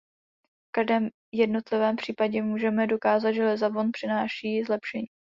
V každém jednotlivém případě můžeme dokázat, že Lisabon přináší zlepšení.